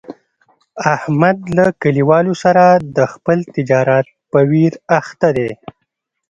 احمد له کلیوالو سره د خپل تجارت په ویر اخته دی.